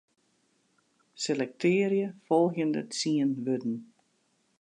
Selektearje folgjende tsien wurden.